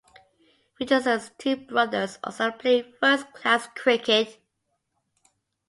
Richardson's two brothers also played first-class cricket.